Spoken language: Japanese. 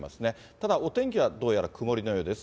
ただお天気はどうやら曇りのようです。